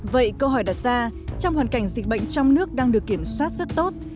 vậy câu hỏi đặt ra trong hoàn cảnh dịch bệnh trong nước đang được kiểm soát rất tốt